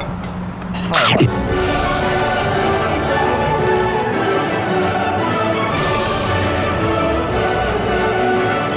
ขอบคุณครับ